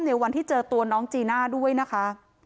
ในวันที่เจอตัวน้องจีน่าด้วยนะคะ